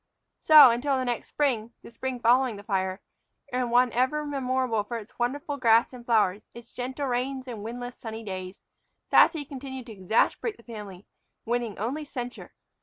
So, until the next spring, the spring following the fire, and one ever memorable for its wonderful grass and flowers, its gentle rains and windless, sunny days, Sassy continued to exasperate the family, winning only censure.